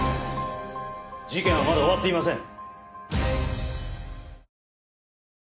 事件はまだ終わっていません。